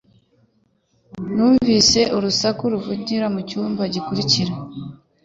Numvise urusaku ruva mucyumba gikurikira.